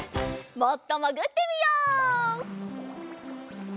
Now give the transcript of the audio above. もっともぐってみよう。